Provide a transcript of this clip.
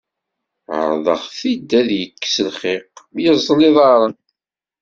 Ɛerḍeɣ-t-id ad yekkes lxiq, yeẓẓel iḍarren.